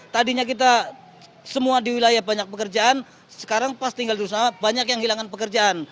tadinya kita semua di wilayah banyak pekerjaan sekarang pas tinggal di rumah banyak yang hilangkan pekerjaan